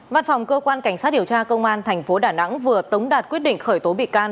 văn phòng cơ quan cảnh sát điều tra công an thành phố đà nẵng vừa tống đạt quyết định khởi tố bị can